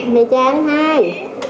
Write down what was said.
mẹ cho anh hai